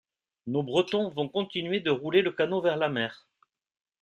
Nos Bretons vont continuer de rouler le canot vers la mer.